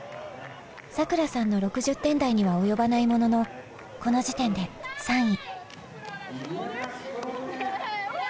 さくらさんの６０点台には及ばないもののこの時点で３位。